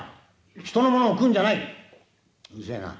人のものを食うんじゃない」。